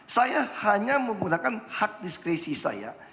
saya hanya menggunakan hak diskresi saya